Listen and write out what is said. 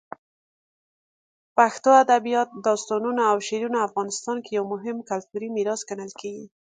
پښتو ادبیات، داستانونه، او شعرونه افغانستان کې یو مهم کلتوري میراث ګڼل کېږي.